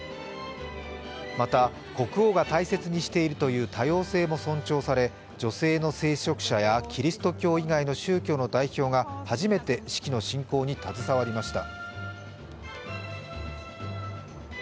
また、国王が大切にしているという多様性も尊重され、女性の聖職者やキリスト教以外の宗教の代表が初めて式の進行に携わりました。